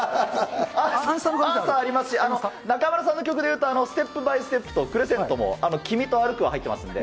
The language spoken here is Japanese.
Ａｎｓｗｅｒありますし、中丸さんの曲でいうと、ステップ・バイ・ステップと、クレッシェンド、君と歩くは入ってますんで。